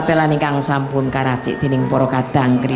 ketika kita akan bisa belajar ini